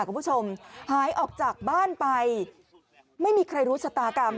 คุณผู้ชมหายออกจากบ้านไปไม่มีใครรู้ชะตากรรม